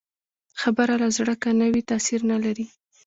خبره له زړه که نه وي، تاثیر نه لري